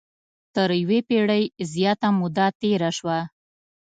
تر یوې پېړۍ زیاته موده تېره شوه.